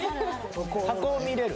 箱を見れる？